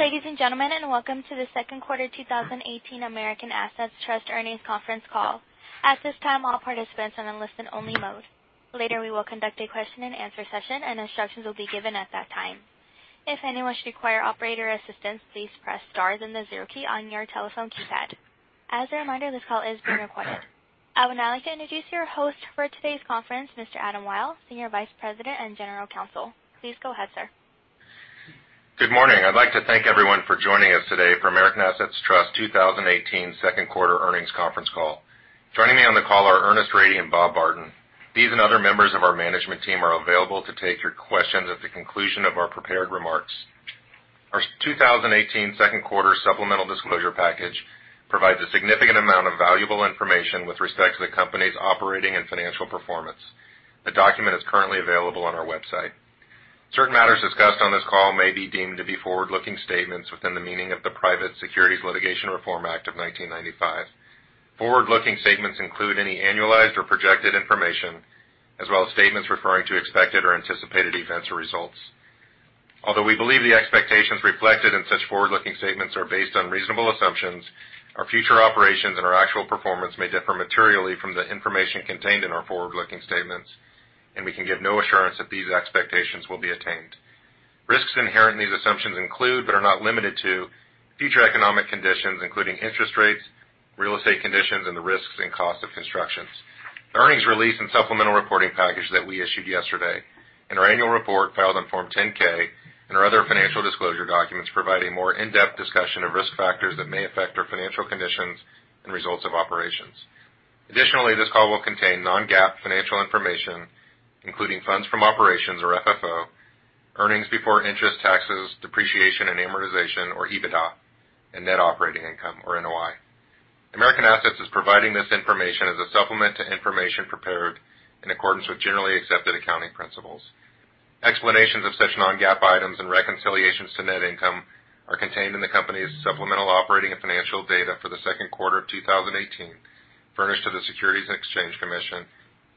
Ladies and gentlemen, welcome to the second quarter 2018 American Assets Trust Earnings Conference Call. At this time, all participants are in listen only mode. Later, we will conduct a question and answer session, and instructions will be given at that time. If anyone should require operator assistance, please press star then the zero key on your telephone keypad. As a reminder, this call is being recorded. I would now like to introduce your host for today's conference, Mr. Adam Wyll, Senior Vice President and General Counsel. Please go ahead, sir. Good morning. I'd like to thank everyone for joining us today for American Assets Trust 2018 second quarter earnings conference call. Joining me on the call are Ernest Rady and Robert Barton. These and other members of our management team are available to take your questions at the conclusion of our prepared remarks. Our 2018 second quarter supplemental disclosure package provides a significant amount of valuable information with respect to the company's operating and financial performance. The document is currently available on our website. Certain matters discussed on this call may be deemed to be forward-looking statements within the meaning of the Private Securities Litigation Reform Act of 1995. Forward-looking statements include any annualized or projected information, as well as statements referring to expected or anticipated events or results. Although we believe the expectations reflected in such forward-looking statements are based on reasonable assumptions, our future operations and our actual performance may differ materially from the information contained in our forward-looking statements. We can give no assurance that these expectations will be attained. Risks inherent in these assumptions include, but are not limited to, future economic conditions, including interest rates, real estate conditions, and the risks and cost of constructions. The earnings release and supplemental reporting package that we issued yesterday, our annual report filed on Form 10-K and our other financial disclosure documents provide a more in-depth discussion of risk factors that may affect our financial conditions and results of operations. Additionally, this call will contain non-GAAP financial information, including funds from operations or FFO, earnings before interest, taxes, depreciation, and amortization or EBITDA, and net operating income or NOI. American Assets is providing this information as a supplement to information prepared in accordance with generally accepted accounting principles. Explanations of such non-GAAP items and reconciliations to net income are contained in the company's supplemental operating and financial data for the second quarter of 2018, furnished to the Securities and Exchange Commission.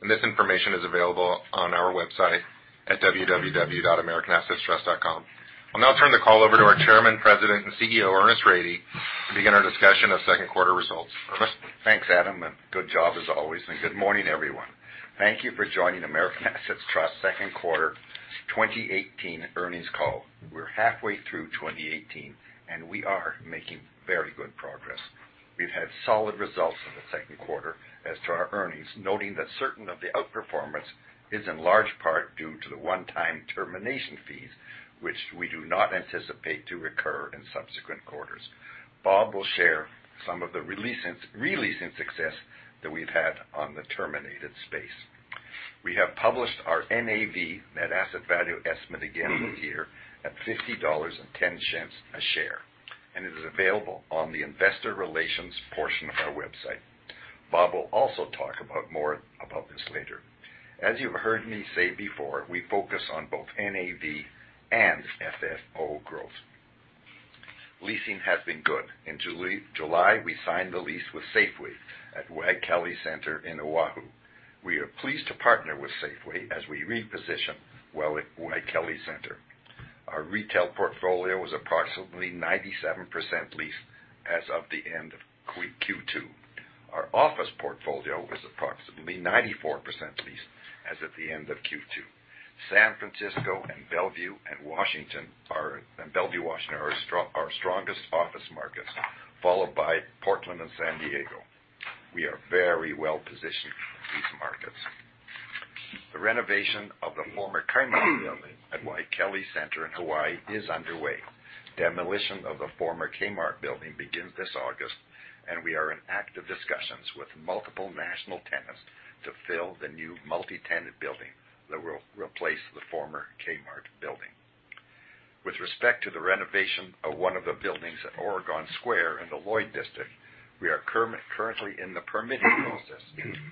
This information is available on our website at www.americanassetstrust.com. I'll now turn the call over to our Chairman, President, and CEO, Ernest Rady, to begin our discussion of second quarter results. Ernest? Thanks, Adam, and good job as always. Good morning, everyone. Thank you for joining American Assets Trust second quarter 2018 earnings call. We're halfway through 2018, and we are making very good progress. We've had solid results in the second quarter as to our earnings, noting that certain of the outperformance is in large part due to the one-time termination fees, which we do not anticipate to recur in subsequent quarters. Bob will share some of the re-leasing success that we've had on the terminated space. We have published our NAV, net asset value estimate again this year at $50.10 a share, and it is available on the investor relations portion of our website. Bob will also talk about more about this later. As you've heard me say before, we focus on both NAV and FFO growth. Leasing has been good. In July, we signed the lease with Safeway at Waikele Center in Oahu. We are pleased to partner with Safeway as we reposition Waikele Center. Our retail portfolio was approximately 97% leased as of the end of Q2. Our office portfolio was approximately 94% leased as at the end of Q2. San Francisco and Bellevue, Washington are our strongest office markets, followed by Portland and San Diego. We are very well-positioned in these markets. The renovation of the former Kmart building at Waikele Center in Hawaii is underway. Demolition of the former Kmart building begins this August, and we are in active discussions with multiple national tenants to fill the new multi-tenant building that will replace the former Kmart building. With respect to the renovation of one of the buildings at Oregon Square in the Lloyd District, we are currently in the permitting process,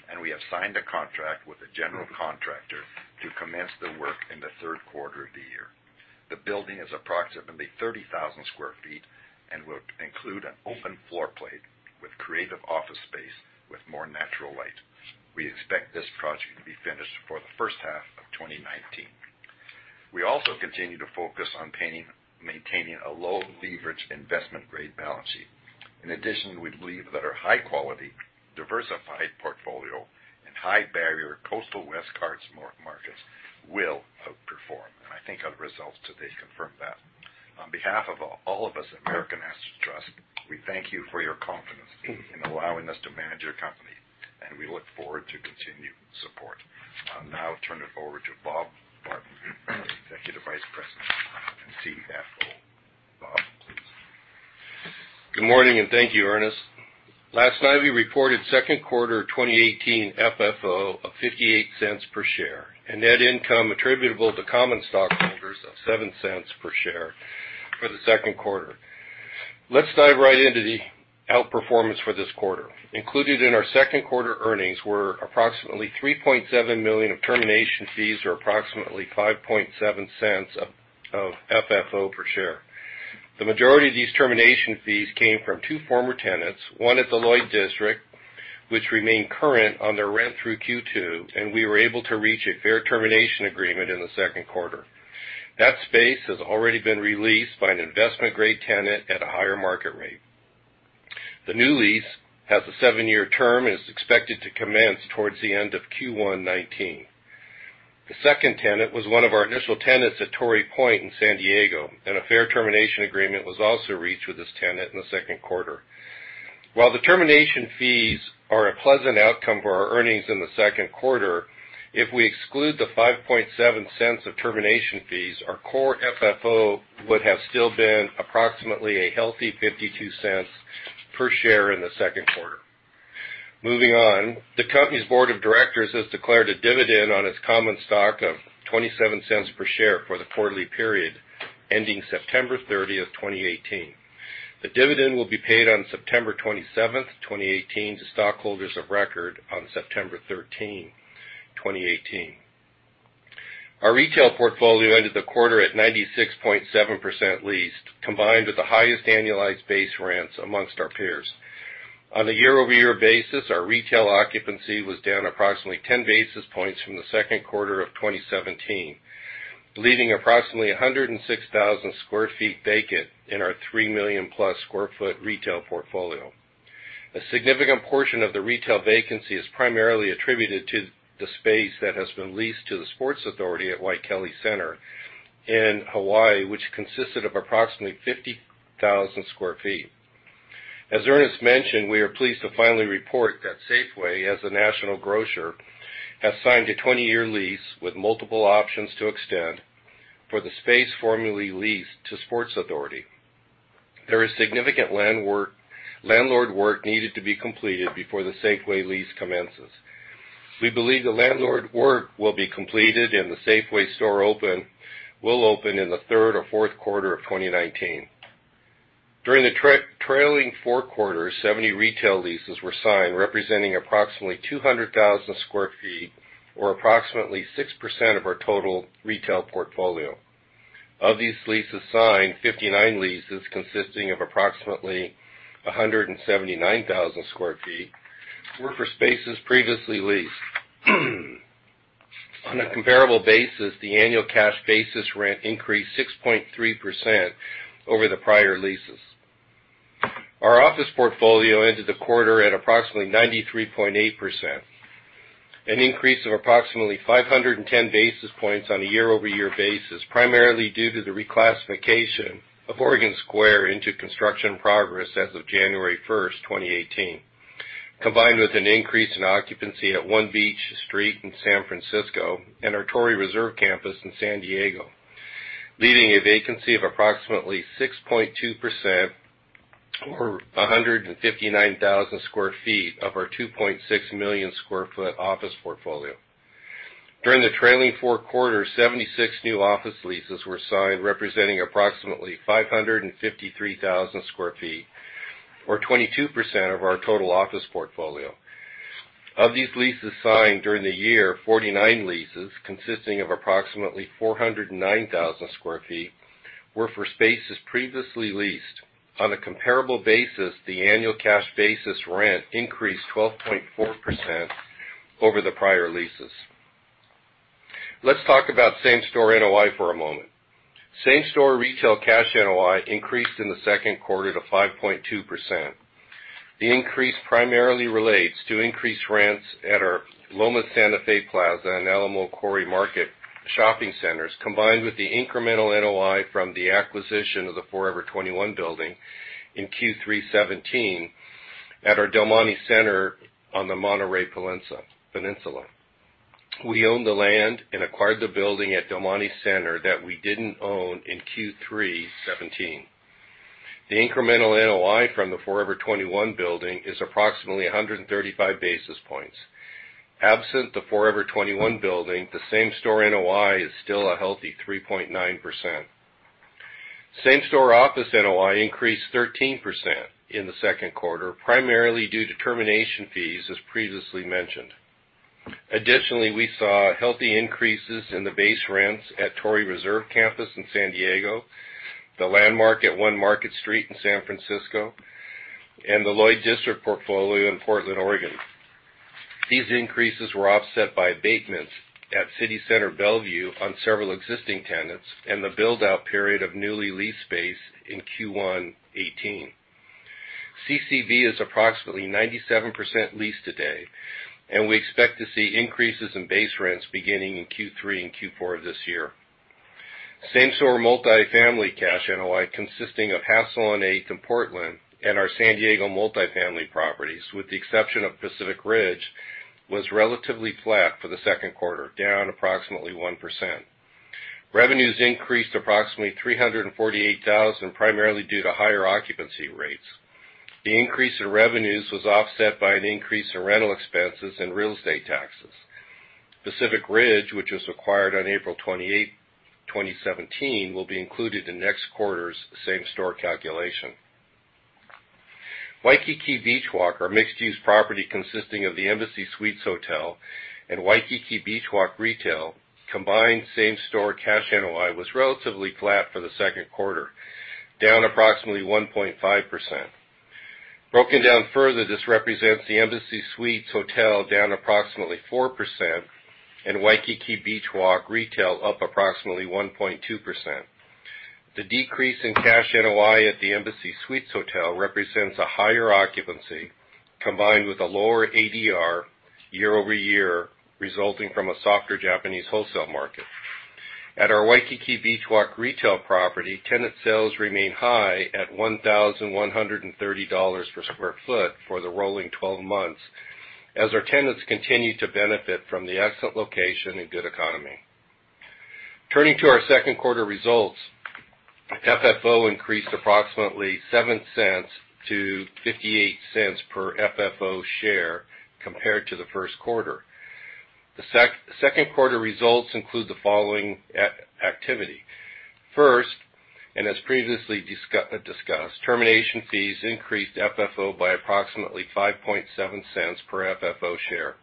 and we have signed a contract with a general contractor to commence the work in the third quarter of the year. The building is approximately 30,000 square feet and will include an open floor plate with creative office space with more natural light. We expect this project to be finished for the first half of 2019. We also continue to focus on maintaining a low leverage investment grade balance sheet. In addition, we believe that our high quality, diversified portfolio and high barrier coastal West Coast markets will outperform. I think our results today confirm that. On behalf of all of us at American Assets Trust, we thank you for your confidence in allowing us to manage your company, and we look forward to continued support. I'll now turn it over to Robert Barton, Executive Vice President and CFO. Bob? Good morning. Thank you, Ernest. Last night, we reported second quarter 2018 FFO of $0.58 per share, and net income attributable to common stockholders of $0.07 per share for the second quarter. Let's dive right into the outperformance for this quarter. Included in our second quarter earnings were approximately $3.7 million of termination fees, or approximately $0.057 of FFO per share. The majority of these termination fees came from two former tenants, one at the Lloyd District They remain current on their rent through Q2. We were able to reach a fair termination agreement in the second quarter. That space has already been released by an investment-grade tenant at a higher market rate. The new lease has a seven-year term and is expected to commence towards the end of Q1 2019. The second tenant was one of our initial tenants at Torrey Point in San Diego. A fair termination agreement was also reached with this tenant in the second quarter. While the termination fees are a pleasant outcome for our earnings in the second quarter, if we exclude the $0.057 of termination fees, our core FFO would have still been approximately a healthy $0.52 per share in the second quarter. Moving on. The company's board of directors has declared a dividend on its common stock of $0.27 per share for the quarterly period ending September 30th, 2018. The dividend will be paid on September 27th, 2018, to stockholders of record on September 13, 2018. Our retail portfolio ended the quarter at 96.7% leased, combined with the highest annualized base rents amongst our peers. On a year-over-year basis, our retail occupancy was down approximately 10 basis points from the second quarter of 2017, leaving approximately 106,000 square feet vacant in our 3 million-plus square foot retail portfolio. A significant portion of the retail vacancy is primarily attributed to the space that has been leased to the Sports Authority at Waikele Center in Hawaii, which consisted of approximately 50,000 square feet. As Ernest mentioned, we are pleased to finally report that Safeway, as a national grocer, has signed a 20-year lease with multiple options to extend for the space formerly leased to Sports Authority. There is significant landlord work needed to be completed before the Safeway lease commences. We believe the landlord work will be completed and the Safeway store will open in the third or fourth quarter of 2019. During the trailing four quarters, 70 retail leases were signed, representing approximately 200,000 square feet or approximately 6% of our total retail portfolio. Of these leases signed, 59 leases consisting of approximately 179,000 square feet were for spaces previously leased. On a comparable basis, the annual cash basis rent increased 6.3% over the prior leases. Our office portfolio ended the quarter at approximately 93.8%, an increase of approximately 510 basis points on a year-over-year basis, primarily due to the reclassification of Oregon Square into construction progress as of January 1st, 2018, combined with an increase in occupancy at One Beach Street in San Francisco and our Torrey Reserve Campus in San Diego, leaving a vacancy of approximately 6.2%, or 159,000 square feet of our 2.6 million square foot office portfolio. During the trailing four quarters, 76 new office leases were signed, representing approximately 553,000 square feet or 22% of our total office portfolio. Of these leases signed during the year, 49 leases consisting of approximately 409,000 square feet were for spaces previously leased. On a comparable basis, the annual cash basis rent increased 12.4% over the prior leases. Let's talk about same-store NOI for a moment. Same-store retail cash NOI increased in the second quarter to 5.2%. The increase primarily relates to increased rents at our Loma Santa Fe Plaza and Alamo Quarry Market shopping centers, combined with the incremental NOI from the acquisition of the Forever 21 building in Q3 '17 at our Del Monte Center on the Monterey Peninsula. We own the land and acquired the building at Del Monte Center that we didn't own in Q3 '17. The incremental NOI from the Forever 21 building is approximately 135 basis points. Absent the Forever 21 building, the same-store NOI is still a healthy 3.9%. Same-store office NOI increased 13% in the second quarter, primarily due to termination fees, as previously mentioned. Additionally, we saw healthy increases in the base rents at Torrey Reserve Campus in San Diego, the Landmark at One Market Street in San Francisco, and the Lloyd District portfolio in Portland, Oregon. These increases were offset by abatements at City Center Bellevue on several existing tenants and the build-out period of newly leased space in Q1 '18. CCV is approximately 97% leased today, and we expect to see increases in base rents beginning in Q3 and Q4 of this year. Same-store multifamily cash NOI, consisting of Hassalo on Eighth in Portland and our San Diego multifamily properties, with the exception of Pacific Ridge, was relatively flat for the second quarter, down approximately 1%. Revenues increased approximately $348,000, primarily due to higher occupancy rates. The increase in revenues was offset by an increase in rental expenses and real estate taxes. Pacific Ridge, which was acquired on April 28th, 2017, will be included in next quarter's same-store calculation. Waikiki Beach Walk, our mixed-use property consisting of the Embassy Suites Hotel and Waikiki Beach Walk retail, combined same-store cash NOI was relatively flat for the second quarter, down approximately 1.5%. Broken down further, this represents the Embassy Suites Hotel down approximately 4%, and Waikiki Beach Walk Retail up approximately 1.2%. The decrease in cash NOI at the Embassy Suites Hotel represents a higher occupancy combined with a lower ADR year-over-year resulting from a softer Japanese wholesale market. At our Waikiki Beach Walk Retail property, tenant sales remain high at $1,130 per square foot for the rolling 12 months, as our tenants continue to benefit from the excellent location and good economy. Turning to our second quarter results, FFO increased approximately $0.07 to $0.58 per FFO share compared to the first quarter. The second quarter results include the following activity. First, as previously discussed, termination fees increased FFO by approximately $0.057 per FFO share.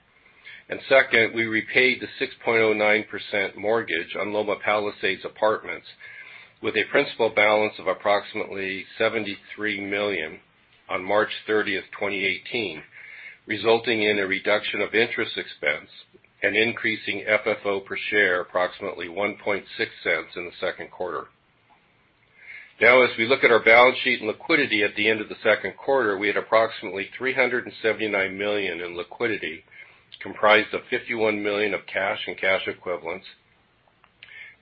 Second, we repaid the 6.09% mortgage on Loma Palisades Apartments with a principal balance of approximately $73 million on March 30, 2018, resulting in a reduction of interest expense and increasing FFO per share approximately $0.016 in the second quarter. As we look at our balance sheet and liquidity at the end of the second quarter, we had approximately $379 million in liquidity, comprised of $51 million of cash and cash equivalents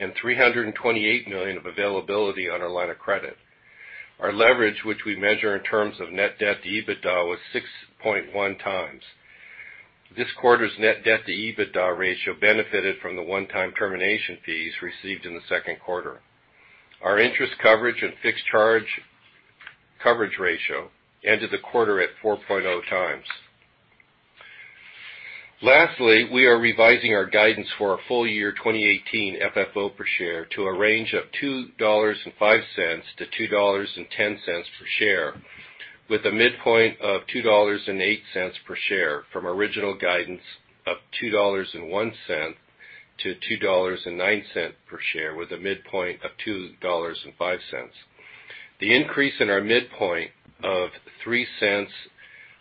and $328 million of availability on our line of credit. Our leverage, which we measure in terms of net debt to EBITDA, was 6.1 times. This quarter's net debt to EBITDA ratio benefited from the one-time termination fees received in the second quarter. Our interest coverage and fixed charge coverage ratio ended the quarter at 4.0 times. Lastly, we are revising our guidance for our full year 2018 FFO per share to a range of $2.05-$2.10 per share, with a midpoint of $2.08 per share from original guidance of $2.01-$2.09 per share, with a midpoint of $2.05. The increase in our midpoint of $0.03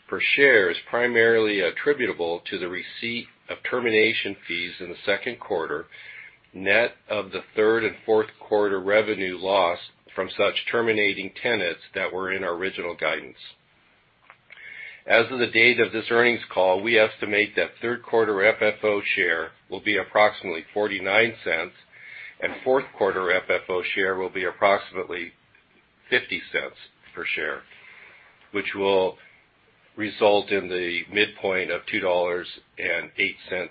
per share is primarily attributable to the receipt of termination fees in the second quarter, net of the third and fourth quarter revenue loss from such terminating tenants that were in our original guidance. As of the date of this earnings call, we estimate that third quarter FFO share will be approximately $0.49, and fourth quarter FFO share will be approximately $0.50 per share, which will result in the midpoint of $2.08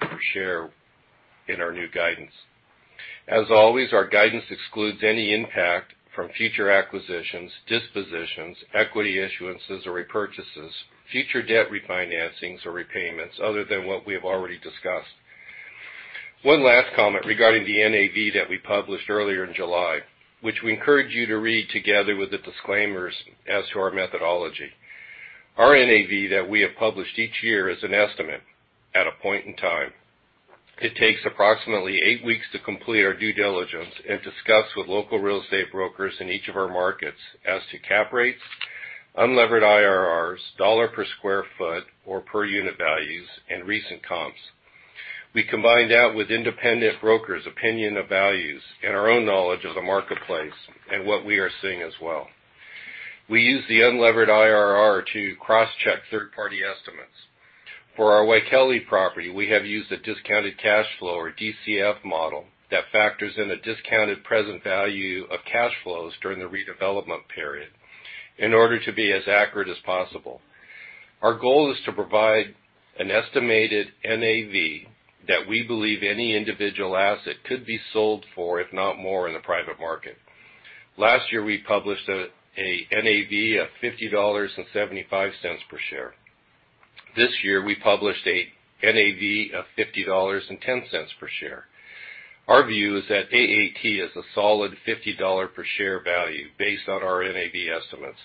per share in our new guidance. As always, our guidance excludes any impact from future acquisitions, dispositions, equity issuances or repurchases, future debt refinancings or repayments, other than what we have already discussed. One last comment regarding the NAV that we published earlier in July, which we encourage you to read together with the disclaimers as to our methodology. Our NAV that we have published each year is an estimate at a point in time. It takes approximately eight weeks to complete our due diligence and discuss with local real estate brokers in each of our markets as to cap rates, unlevered IRRs, $ per square foot or per unit values, and recent comps. We combine that with independent brokers' opinion of values and our own knowledge of the marketplace and what we are seeing as well. We use the unlevered IRR to cross-check third-party estimates. For our Waikele property, we have used a discounted cash flow or DCF model that factors in a discounted present value of cash flows during the redevelopment period in order to be as accurate as possible. Our goal is to provide an estimated NAV that we believe any individual asset could be sold for, if not more, in the private market. Last year, we published a NAV of $50.75 per share. This year, we published a NAV of $50.10 per share. Our view is that AAT is a solid $50 per share value based on our NAV estimates.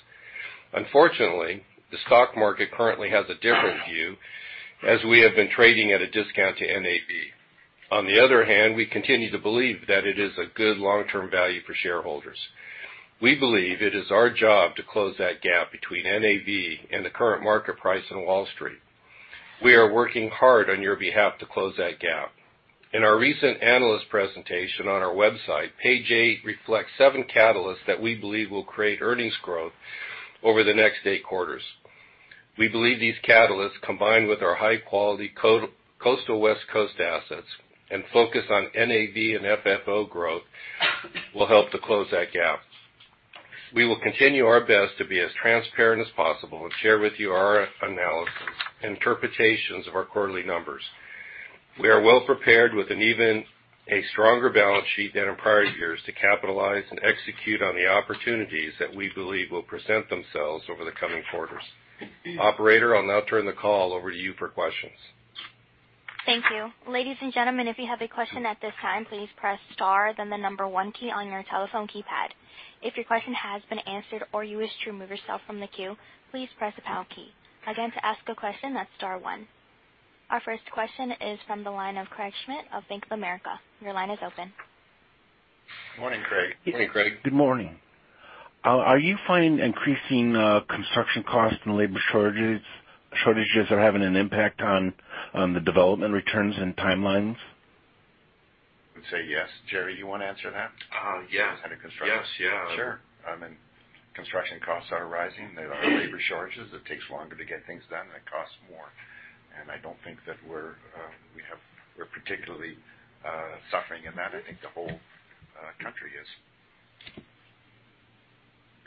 Unfortunately, the stock market currently has a different view as we have been trading at a discount to NAV. On the other hand, we continue to believe that it is a good long-term value for shareholders. We believe it is our job to close that gap between NAV and the current market price on Wall Street. We are working hard on your behalf to close that gap. In our recent analyst presentation on our website, page eight reflects seven catalysts that we believe will create earnings growth over the next eight quarters. We believe these catalysts, combined with our high-quality coastal West Coast assets and focus on NAV and FFO growth, will help to close that gap. We will continue our best to be as transparent as possible and share with you our analysis and interpretations of our quarterly numbers. We are well prepared with an even a stronger balance sheet than in prior years to capitalize and execute on the opportunities that we believe will present themselves over the coming quarters. Operator, I'll now turn the call over to you for questions. Thank you. Ladies and gentlemen, if you have a question at this time, please press star then the number one key on your telephone keypad. If your question has been answered or you wish to remove yourself from the queue, please press the pound key. Again, to ask a question, that's star one. Our first question is from the line of Craig Schmidt of Bank of America. Your line is open. Morning, Craig. Morning, Craig. Good morning. Are you finding increasing construction costs and labor shortages are having an impact on the development returns and timelines? I would say yes. Jerry, you want to answer that? Yes. Kind of construction. Yes. Sure. Construction costs are rising. There are labor shortages. It takes longer to get things done, and it costs more. I don't think that we're particularly suffering in that. I think the whole country is.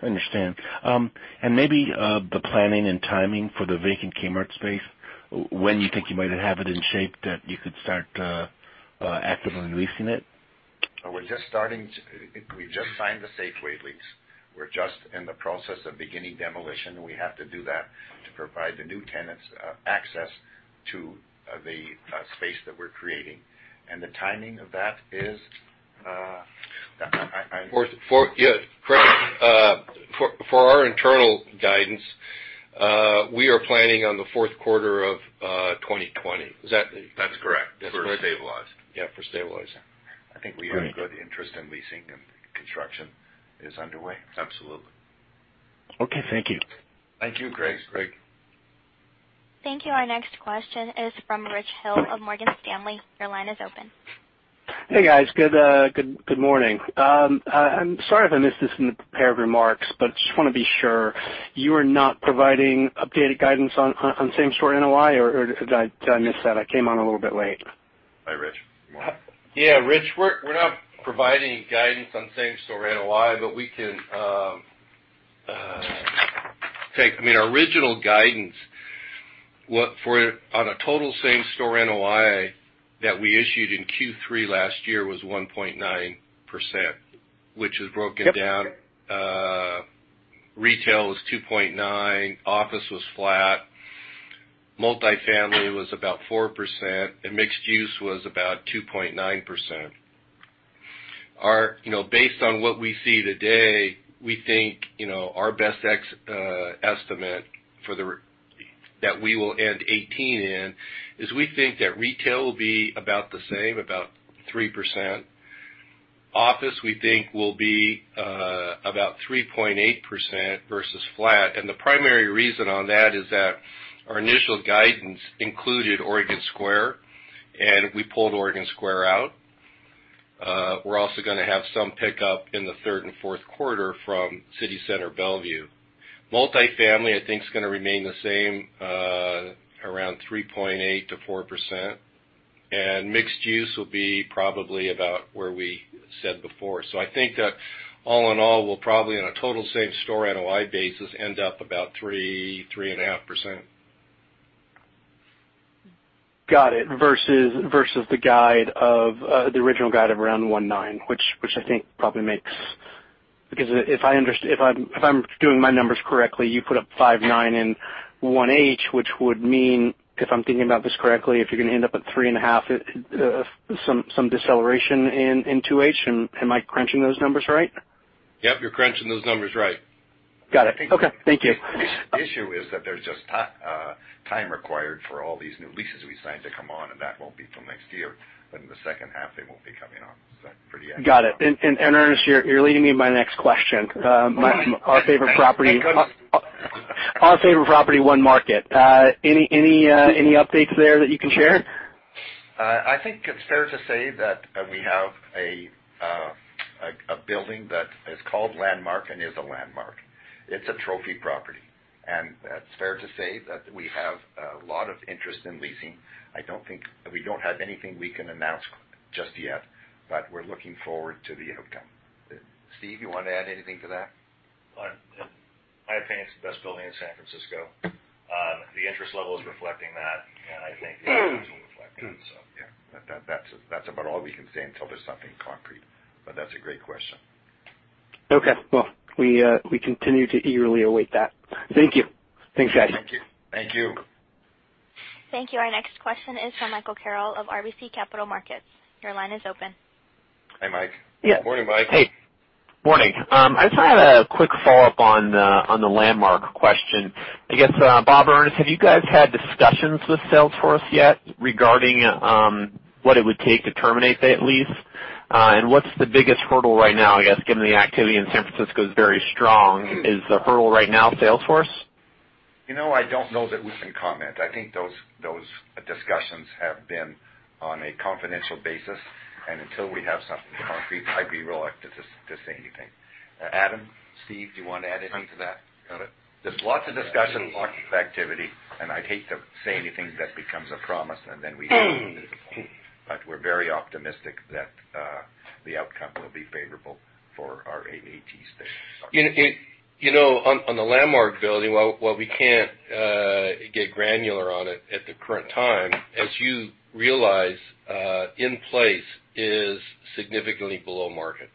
I understand. Maybe the planning and timing for the vacant Kmart space, when do you think you might have it in shape that you could start actively leasing it? We've just signed the Safeway lease. We're just in the process of beginning demolition, and we have to do that to provide the new tenants access to the space that we're creating. The timing of that is- For our internal guidance, we are planning on the fourth quarter of 2020. Is that- That's correct. That's correct. For stabilize. Yeah, for stabilize. Great. I think we have good interest in leasing, and construction is underway. Absolutely. Okay. Thank you. Thank you, Craig. Thanks, Craig. Thank you. Our next question is from Rich Hill of Morgan Stanley. Your line is open. Hey, guys. Good morning. I'm sorry if I missed this in the prepared remarks, but just want to be sure, you are not providing updated guidance on same-store NOI, or did I miss that? I came on a little bit late. Hi, Rich. You want to- Yeah, Rich, we're not providing guidance on same-store NOI, but we can take our original guidance on a total same-store NOI that we issued in Q3 last year was 1.9%, which is broken down. Yep. Retail was 2.9%, office was flat, multifamily was about 4%, and mixed-use was about 2.9%. Based on what we see today, we think our best estimate that we will end 2018 in, is we think that retail will be about the same, about 3%. Office we think will be about 3.8% versus flat. The primary reason for that is that our initial guidance included Oregon Square, and we pulled Oregon Square out. We're also going to have some pickup in the third and fourth quarter from City Center Bellevue. Multifamily, I think, is going to remain the same, around 3.8%-4%. Mixed-use will be probably about where we said before. I think that all in all, we'll probably, on a total same-store NOI basis, end up about 3%-3.5%. Got it. Versus the original guide of around $1.9, which I think probably makes. If I'm doing my numbers correctly, you put up $5.9 and 1H, which would mean, if I'm thinking about this correctly, if you're going to end up at $3.5, some deceleration in 2H. Am I crunching those numbers right? Yep, you're crunching those numbers right. Got it. Okay. Thank you. The issue is that there's just time required for all these new leases we signed to come on, and that won't be till next year, but in the second half, they won't be coming on. Pretty accurate. Got it. Ernest, you're leading me to my next question. Our favorite property, One Market. Any updates there that you can share? I think it's fair to say that we have a building that is called Landmark and is a landmark. It's a trophy property, and it's fair to say that we have a lot of interest in leasing. I don't think we have anything we can announce just yet, but we're looking forward to the outcome. Steve, you want to add anything to that? I think it's the best building in San Francisco. The interest level is reflecting that, and I think the financials reflect that. Yeah. That's about all we can say until there's something concrete, but that's a great question. Okay. Well, we continue to eagerly await that. Thank you. Thanks, guys. Thank you. Thank you. Thank you. Our next question is from Michael Carroll of RBC Capital Markets. Your line is open. Hi, Mike. Morning, Mike. Hey. Morning. I just had a quick follow-up on the Landmark question. I guess, Bob, Ernest, have you guys had discussions with Salesforce yet regarding what it would take to terminate that lease? What's the biggest hurdle right now? I guess given the activity in San Francisco is very strong, is the hurdle right now Salesforce? I don't know that we can comment. I think those discussions have been on a confidential basis, and until we have something concrete, I'd be reluctant to say anything. Adam, Steve, do you want to add anything to that? Got it. I'd hate to say anything that becomes a promise and then we don't deliver. We're very optimistic that the outcome will be favorable for our 880 space. Sorry. On the Landmark building, while we can't get granular on it at the current time, as you realize, in place is significantly below market.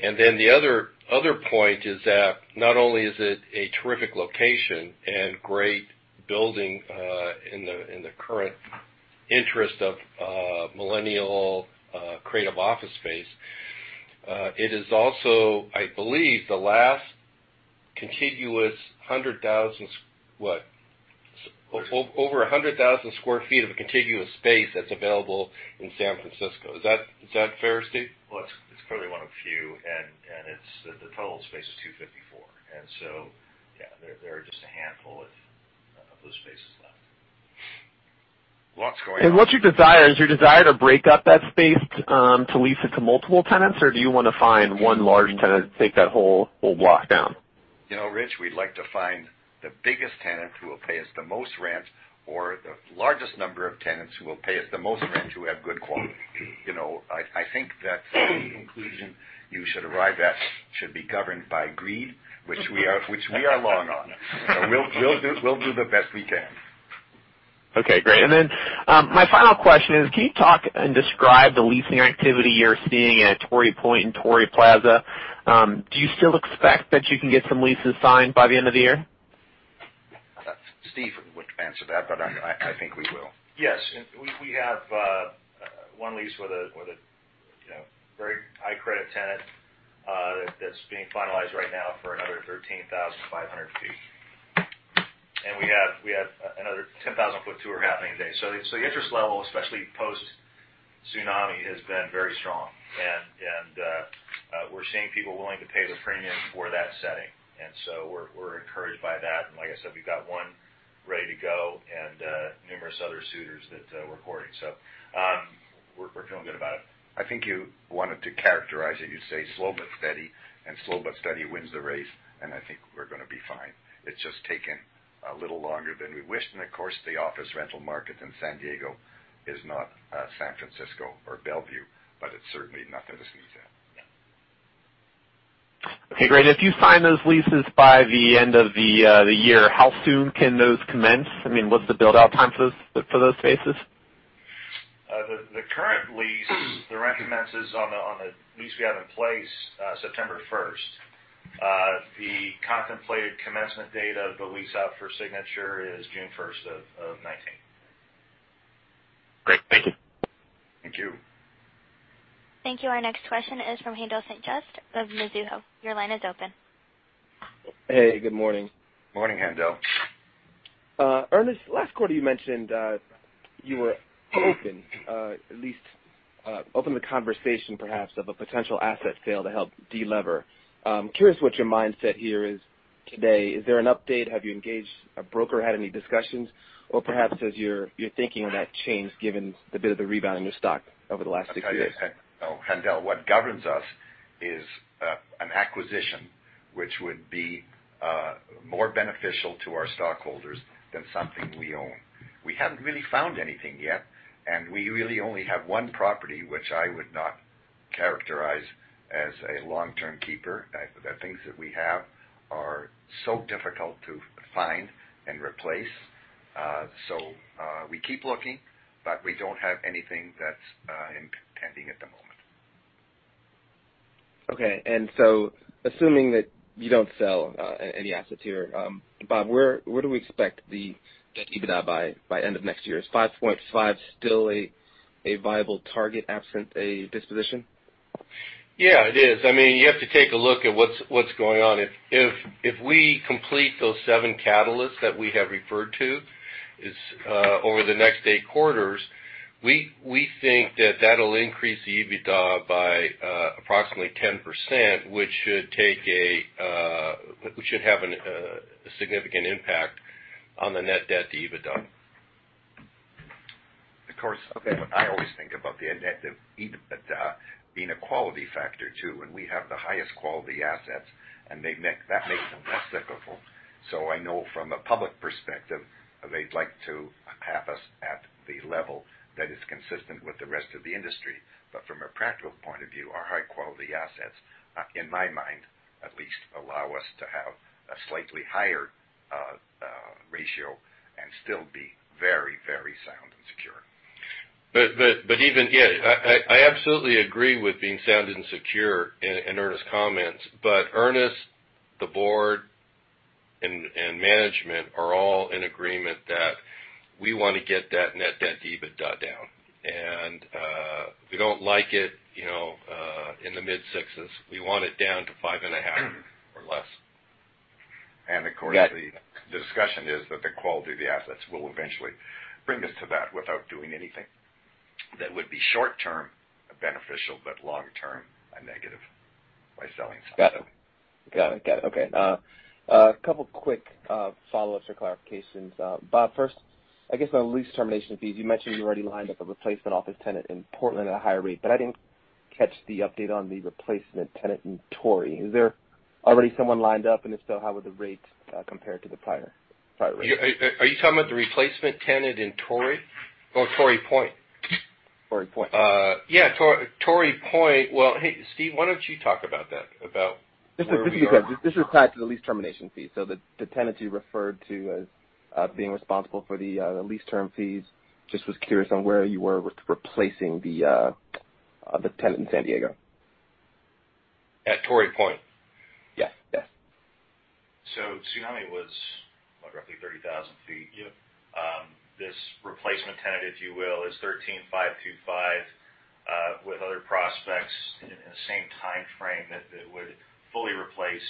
The other point is that not only is it a terrific location and great building in the current interest of millennial creative office space, it is also, I believe, the last contiguous 100,000, what? Over 100,000 square feet of contiguous space that's available in San Francisco. Is that fair, Steve? Well, it's clearly one of few, the total space is 254. Yeah, there are just a handful of those spaces left. Lots going on. What's your desire? Is your desire to break up that space to lease it to multiple tenants, or do you want to find one large tenant to take that whole block down? You know, Rich, we'd like to find the biggest tenant who will pay us the most rent, or the largest number of tenants who will pay us the most rent who have good quality. I think that the conclusion you should arrive at should be governed by greed, which we are long on. We'll do the best we can. Okay, great. My final question is, can you talk and describe the leasing activity you're seeing at Torrey Point and Torrey Plaza? Do you still expect that you can get some leases signed by the end of the year? Steve would answer that, but I think we will. Yes. We have one lease with a very high credit tenant that's being finalized right now for another 13,500 feet. We have another 10,000-foot tour happening today. The interest level, especially post-Tsunami, has been very strong, and we're seeing people willing to pay the premium for that setting. We're encouraged by that, and like I said, we've got one ready to go and numerous other suitors that we're courting. We're feeling good about it. I think you wanted to characterize it, you say slow but steady, and slow but steady wins the race, and I think we're going to be fine. It's just taken a little longer than we wished, and of course, the office rental market in San Diego is not San Francisco or Bellevue, but it's certainly not to dismiss that. Okay, great. If you sign those leases by the end of the year, how soon can those commence? What's the build-out time for those spaces? The current lease, the rent commences on the lease we have in place, September 1st. The contemplated commencement date of the lease out for signature is June 1st of 2019. Great. Thank you. Thank you. Thank you. Our next question is from Haendel St. Juste of Mizuho. Your line is open. Hey, good morning. Morning, Haendel. Ernest, last quarter you mentioned, you were open, at least, open to conversation perhaps of a potential asset sale to help de-lever. I'm curious what your mindset here is today. Is there an update? Have you engaged a broker, had any discussions? Perhaps as you're thinking on that change given a bit of the rebound in your stock over the last six years. No, Haendel, what governs us is an acquisition which would be more beneficial to our stockholders than something we own. We haven't really found anything yet, and we really only have one property, which I would not characterize as a long-term keeper. The things that we have are so difficult to find and replace. We keep looking, but we don't have anything that's pending at the moment. Okay. Assuming that you don't sell any assets here, Bob, where do we expect the EBITDA by end of next year? Is 5.5 still a viable target absent a disposition? Yeah, it is. You have to take a look at what's going on. If we complete those seven catalysts that we have referred to over the next eight quarters, we think that that'll increase the EBITDA by approximately 10%, which should have a significant impact on the net debt to EBITDA. Okay I always think about the net to EBITDA being a quality factor too, and we have the highest quality assets, and that makes them less cyclical. I know from a public perspective, they'd like to have us at the level that is consistent with the rest of the industry. From a practical point of view, our high-quality assets, in my mind at least, allow us to have a slightly higher ratio and still be very, very sound and secure. Even, yeah, I absolutely agree with being sound and secure in Ernest's comments. Ernest, the board, and management are all in agreement that we want to get that net debt to EBITDA down. We don't like it in the mid-sixes. We want it down to five and a half or less. Of course- Got it. The discussion is that the quality of the assets will eventually bring us to that without doing anything that would be short-term beneficial, but long-term a negative by selling something. Got it. Okay. A couple of quick follow-ups or clarifications. Bob, first, I guess on lease termination fees, you mentioned you already lined up a replacement office tenant in Portland at a higher rate, but I didn't catch the update on the replacement tenant in Torrey. Is there already someone lined up? If so, how would the rate compare to the prior rate? Are you talking about the replacement tenant in Torrey or Torrey Point? Torrey Point. Yeah. Torrey Point. Well, hey, Steve, why don't you talk about that, about where we are. This is Haendel. This relates to the lease termination fee. The tenant you referred to as being responsible for the lease term fees, just was curious on where you were with replacing the tenant in San Diego. At Torrey Point? Yes. Tsunami was roughly 30,000 feet. Yep. This replacement tenant, if you will, is 13,525, with other prospects in the same timeframe that would fully replace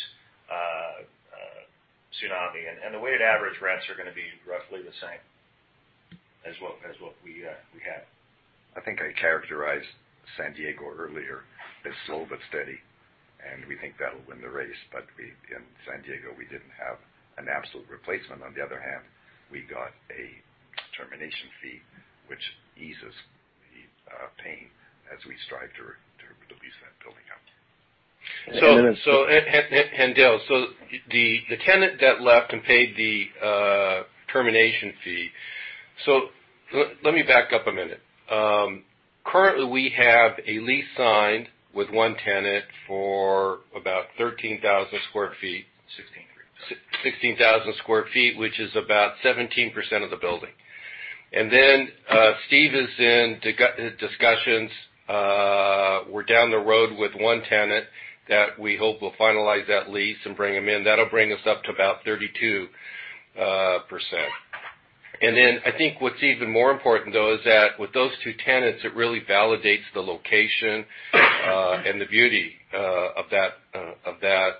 Tsunami. The weighted average rents are going to be roughly the same as what we had. I think I characterized San Diego earlier as slow but steady, we think that'll win the race. In San Diego, we didn't have an absolute replacement. On the other hand, we got a termination fee, which eases the pain as we strive to lease that building out. And then- The tenant that left and paid the termination fee-- Let me back up a minute. Currently, we have a lease signed with one tenant for about 13,000 square feet. 16,300. 16,000 square feet, which is about 17% of the building. Steve is in discussions. We're down the road with one tenant that we hope will finalize that lease and bring him in. That'll bring us up to about 32%. I think what's even more important, though, is that with those two tenants, it really validates the location, and the beauty of that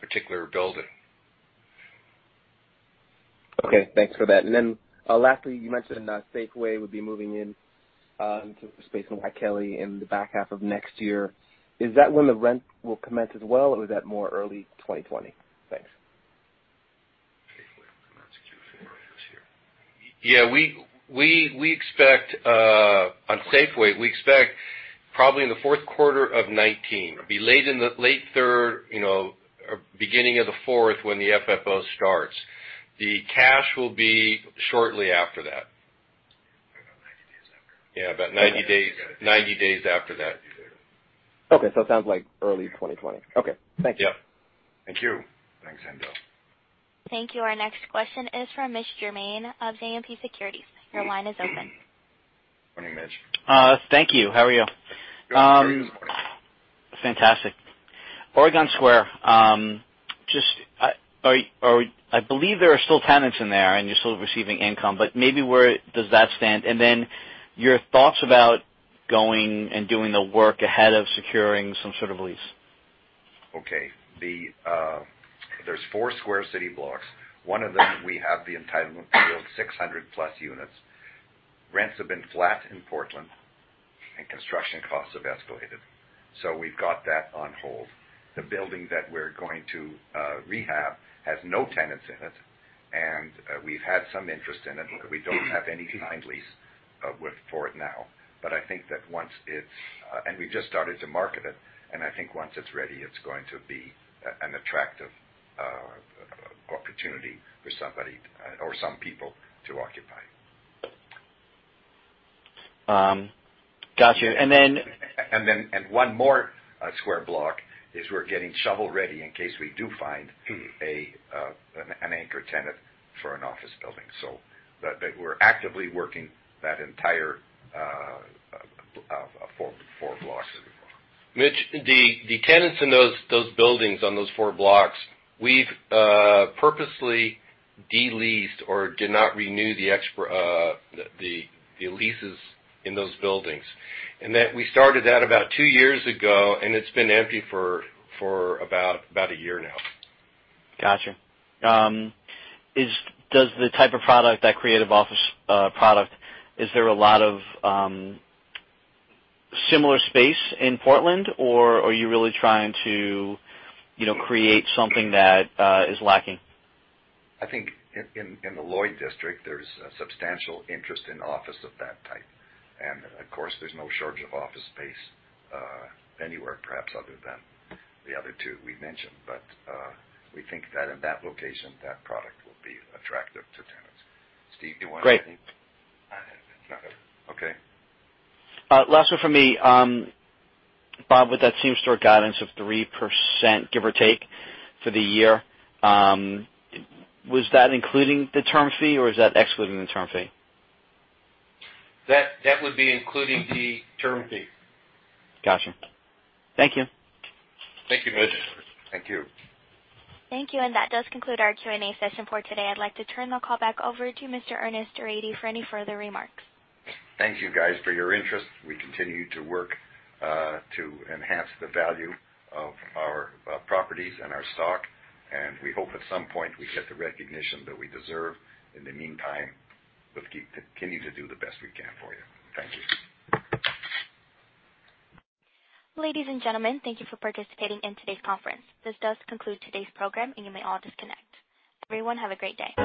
particular building. Okay. Thanks for that. Lastly, you mentioned that Safeway would be moving into the space in Waikele in the back half of next year. Is that when the rent will commence as well, or is that more early 2020? Thanks. Safeway will commence Q4 of this year. Yeah. On Safeway, we expect probably in the fourth quarter of 2019. It'll be late third, or beginning of the fourth when the FFO starts. The cash will be shortly after that. More like 90 days after. Yeah, about 90 days after that. Okay. It sounds like early 2020. Okay. Thank you. Yep. Thank you. Thanks, Haendel. Thank you. Our next question is from Mitch Germain of JMP Securities. Your line is open. Morning, Mitch. Thank you. How are you? Good. How are you this morning? Fantastic. Oregon Square. I believe there are still tenants in there, and you're still receiving income, but maybe where does that stand? Your thoughts about going and doing the work ahead of securing some sort of lease. Okay. There's four square city blocks. One of them, we have the entitlement to build 600-plus units. Rents have been flat in Portland, and construction costs have escalated. We've got that on hold. The building that we're going to rehab has no tenants in it, and we've had some interest in it. We don't have any signed lease for it now. We've just started to market it, and I think once it's ready, it's going to be an attractive opportunity for somebody or some people to occupy. Got you. One more square block is we're getting shovel-ready in case we do find an anchor tenant for an office building. We're actively working that entire four blocks. Mitch, the tenants in those buildings on those four blocks, we've purposely de-leased or did not renew the leases in those buildings. That we started that about two years ago, and it's been empty for about a year now. Got you. Does the type of product, that creative office product, is there a lot of similar space in Portland, or are you really trying to create something that is lacking? I think in the Lloyd District, there's a substantial interest in office of that type. Of course, there's no shortage of office space anywhere, perhaps other than the other two we mentioned. We think that in that location, that product will be attractive to tenants. Steve, do you want to- Great. Okay. Last one from me. Bob, with that same-store guidance of 3%, give or take, for the year, was that including the term fee, or is that excluding the term fee? That would be including the term fee. Got you. Thank you. Thank you, Mitch. Thank you. Thank you. That does conclude our Q&A session for today. I'd like to turn the call back over to Mr. Ernest Rady for any further remarks. Thank you guys for your interest. We continue to work to enhance the value of our properties and our stock, and we hope at some point we get the recognition that we deserve. In the meantime, we'll keep continuing to do the best we can for you. Thank you. Ladies and gentlemen, thank you for participating in today's conference. This does conclude today's program, and you may all disconnect. Everyone, have a great day.